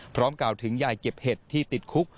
กล่าวถึงยายเก็บเห็ดที่ติดคุก